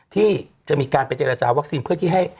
ที่จะมีการไปเจรจาวัคซีนเพื่อที่ให้